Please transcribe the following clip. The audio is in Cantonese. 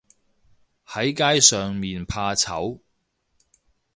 喺街上面怕醜